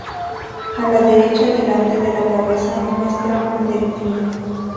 A la derecha, delante de la cabeza, muestra un delfín.